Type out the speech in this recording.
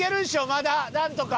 まだなんとか。